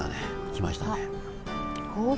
きましたね。